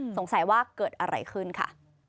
สงสัยว่าเกิดอะไรขึ้นค่ะ